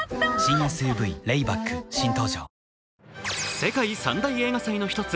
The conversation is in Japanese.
世界三大映画祭の一つ